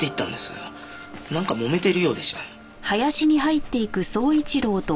なんか揉めてるようでした。